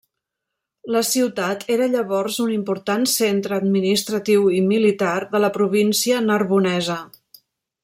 La ciutat era llavors un important centre administratiu i militar de la província Narbonesa.